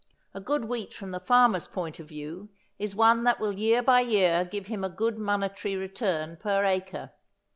A good wheat from the farmer's point, of view is one that will year by year give him a good monetary return per acre.